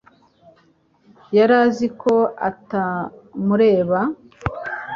Yari azi ko atamureba.